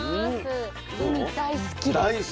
ウニ大好きです。